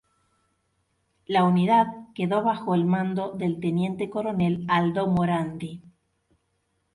La unidad quedó bajo el mando del teniente coronel Aldo Morandi.